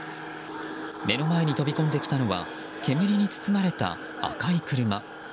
目の前に飛び込んできたのは煙に包まれた赤い車。